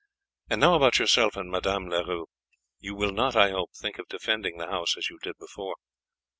And now about yourself and Madame Leroux you will not, I hope, think of defending the house as you did before."